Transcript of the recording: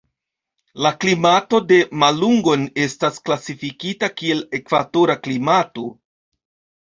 La klimato de Malungon estas klasifikita kiel ekvatora klimato.